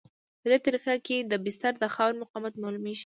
په دې طریقه کې د بستر د خاورې مقاومت معلومیږي